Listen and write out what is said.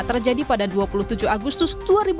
terjadi pada dua puluh tujuh agustus dua ribu dua puluh